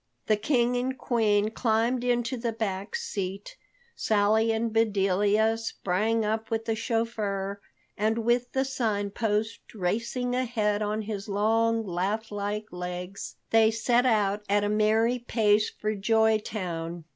The King and Queen climbed into the back seat, Sally and Bedelia sprang up with the chauffeur, and with the Sign Post racing ahead on his long, lath like legs, they set out at a merry pace for Joytown.